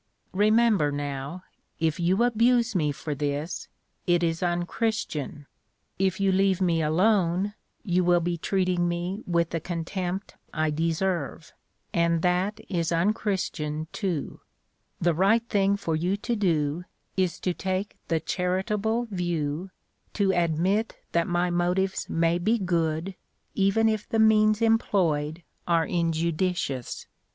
Remember, now, if you abuse me for this, it is unchristian; if you leave me alone, you will be treating me "with the contempt I deserve," and that is unchristian too; the right thing for you to do is to take the charitable view, to admit that my motives may be good, even if the means employed are injudicious.